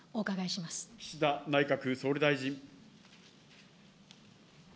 岸田内閣総理大臣。